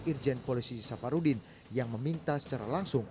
irjen polisi sapa rudin yang meminta secara langsung